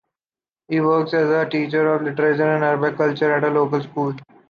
He works as a teacher of Literature and Arabic Culture at a local school.